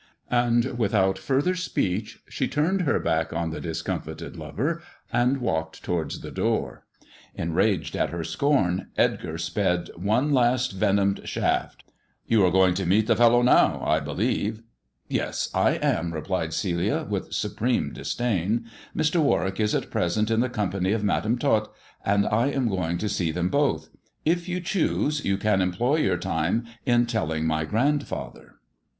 And without further speech she turned her back on the discomfited lover and walked towards the door. Enraged at her scorn, Edgar sped one last venomed shaft. " You are going to meet the fellow now, I believe." "Yes, I am," replied Celia, with supreme disdain. "Mr. Warwick is at present in the company of Madam Tot, and I am going to see them both. If you so choose you can employ your time in telling my grandfather."